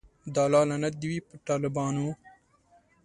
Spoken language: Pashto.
د الله لعنت دی وی په ټالبانو